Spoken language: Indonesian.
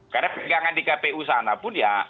karena pegangan di kpu sana pun ya